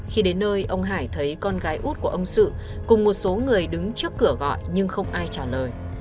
khi đến nơi ông hải thấy con gái út của ông sự cùng một số người đứng trước cửa gọi nhưng không ai trả lời